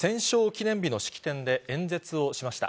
記念日の式典で演説をしました。